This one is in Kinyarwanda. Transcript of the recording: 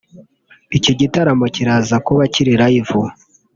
Iki gitaramo kiraza kuba kiri Live